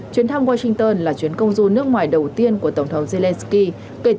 chuyến thăm washington là chuyến công du nước ngoài đầu tiên của tổng thống zelensky